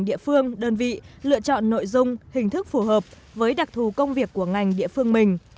địa phương đơn vị lựa chọn nội dung hình thức phù hợp với đặc thù công việc của ngành địa phương mình